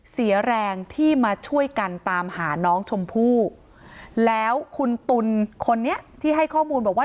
เสียแรงที่มาช่วยกันตามหาน้องชมพู่แล้วคุณตุลคนนี้ที่ให้ข้อมูลบอกว่า